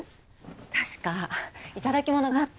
確か頂き物があって。